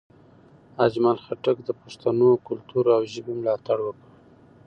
اجمل خټک د پښتنو کلتور او ژبې ملاتړ وکړ.